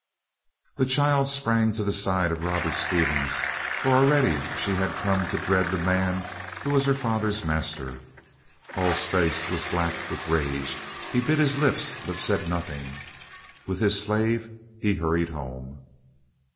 The child sprang to the side of Robert Stevens, for already she had come to dread the man who was her father's master. Hull's face was black with rage. He bit his lips, but said nothing. With his slave, he hurried home.